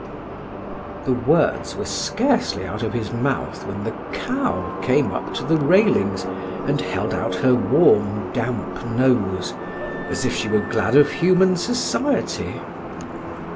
The words were scarcely out of his mouth when the cow came up to the railings and held out her warm damp nose, as if she were glad of human society.